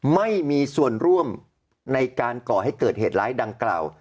ไม่มีส่วนร่วมในการก่อให้เกิดเหตุร้ายดังกล่าว